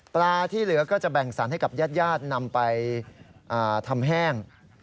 ปลาที่เหลือก็จะแบ่งสรรให้กับญาติญาตินำไปทำแห้ง